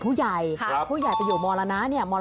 คุณใหญ่ไม่รักแล้วเหรอ